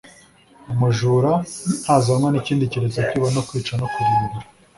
Umujura ntazanwa n'ikindi keretse kwiba no kwica no kurimbura,